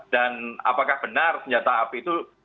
dan apakah benar senjata api itu